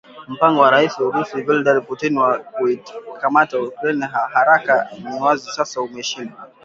Mpango wa Rais wa Russia, Vladmir Putin wa kuikamata Ukraine haraka ni wazi sasa umeshindwa.